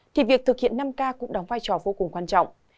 thì việc thực hiện năm k cũng đóng vai trò vô cùng quan trọng